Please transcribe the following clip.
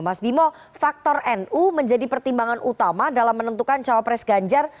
mas bimo faktor nu menjadi pertimbangan utama dalam menentukan cawapres ganjar